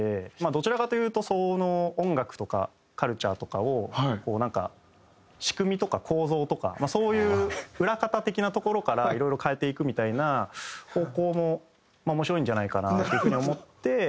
どちらかというとその音楽とかカルチャーとかをこうなんか仕組みとか構造とかそういう裏方的なところからいろいろ変えていくみたいな方向も面白いんじゃないかなという風に思って。